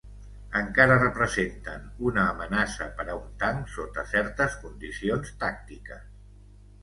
Encara representen una amenaça per a un tanc sota certes condicions tàctiques.